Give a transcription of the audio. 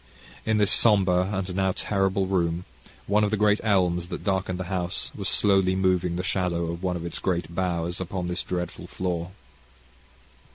In this sombre and now terrible room, one of the great elms that darkened the house was slowly moving the shadow of one of its great boughs upon this dreadful floor.